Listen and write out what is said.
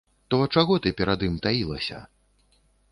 То чаго ты перад ім таілася?